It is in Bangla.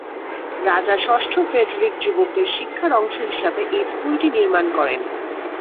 রাজা ষষ্ঠ ফ্রেডেরিক যুবকদের শিক্ষার অংশ হিসেবে এই স্কুলটি নির্মাণ করেন।